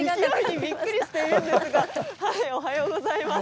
びっくりしているんですが、おはようございます。